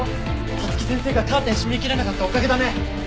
早月先生がカーテン閉め切らなかったおかげだね。